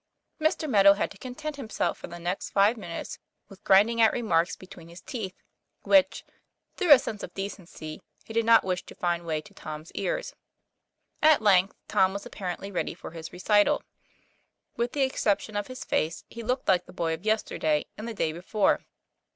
Mr. Meadow had to content himself for the next five minutes with grinding out remarks between his teeth, which, through a sense of decency, he did not wish to find way to Tom's ears. At length Tom was apparently ready for his re cital. With the exception of his face, he looked like the boy of yesterday and the day before.